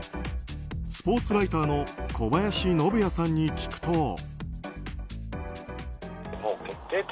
スポーツライターの小林信也さんに聞くと。